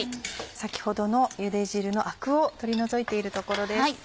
先ほどのゆで汁のアクを取り除いているところです。